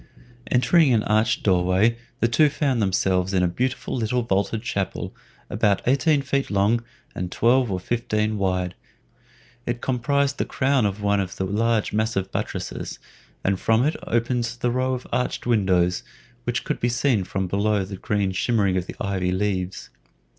Entering an arched door way, the two found themselves in a beautiful little vaulted chapel, about eighteen feet long and twelve or fifteen wide. It comprised the crown of one of the large massive buttresses, and from it opened the row of arched windows which could be seen from below through the green shimmering of the ivy leaves.